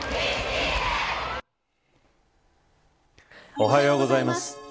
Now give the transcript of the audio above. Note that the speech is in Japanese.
おはようございます。